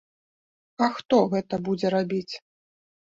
А хто гэта будзе рабіць?